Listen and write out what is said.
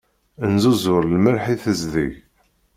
Nezzuzur lmelḥ i tezdeg.